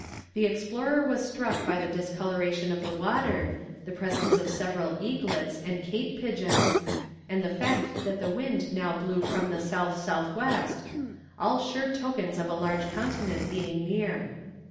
the explorer was struck by the discoloration of the water, the presence of several eaglets and cape pigeons, and the fact that the wind now blew from the south south west, all sure tokens of a large continent being near.